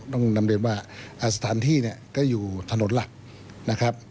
ต้องนำเรียนว่าสถานที่เนี่ยก็อยู่ถนนหลักนะครับ